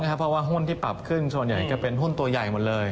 เพราะว่าหุ้นที่ปรับขึ้นส่วนใหญ่จะเป็นหุ้นตัวใหญ่หมดเลย